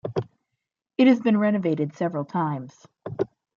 It has been renovated several times.